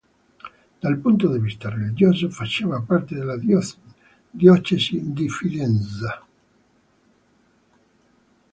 Dal punto di vista religioso faceva parte della diocesi di Fidenza.